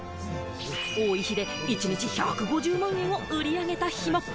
多い日で一日１５０万円を売り上げた日も。